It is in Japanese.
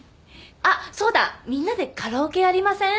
あっそうだみんなでカラオケやりません？